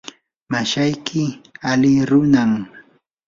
mashayki ali runam.